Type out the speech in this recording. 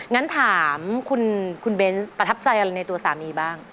งั้นถามคุณเบนส์ประทับใจอะไรในตัวสามีบ้าง